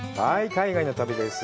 海外の旅です。